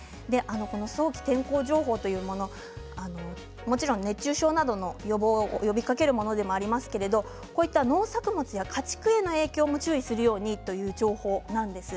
早期天候情報もちろん熱中症などの予防を呼びかけるものでもありますけれども農作物や家畜への影響も注意するようにという情報なんです。